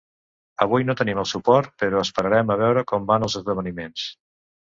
Avui no tenim el suport però esperarem a veure com van els esdeveniments.